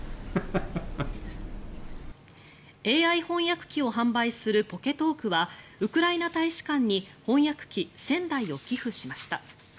ＡＩ翻訳機を販売するポケトークはウクライナ大使館に翻訳機１０００台を寄付しました。